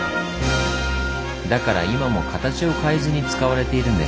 だから今も形を変えずに使われているんです。